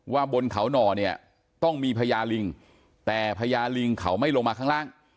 บนเขาหน่อเนี่ยต้องมีพญาลิงแต่พญาลิงเขาไม่ลงมาข้างล่าง